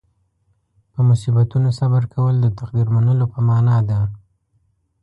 په مصیبتونو صبر کول د تقدیر منلو په معنې ده.